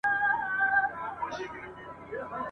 که ګدا دی که سلطان دی له انجامه نه خلاصیږي ..